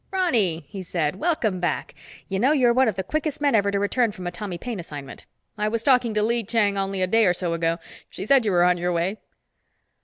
"Ronny!" he said. "Welcome back. You know, you're one of the quickest men ever to return from a Tommy Paine assignment. I was talking to Lee Chang only a day or so ago. She said you were on your way."